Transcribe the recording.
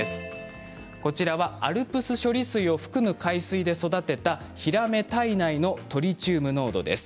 こちらはＡＬＰＳ処理水を含む海水で育てたヒラメ体内のトリチウム濃度です。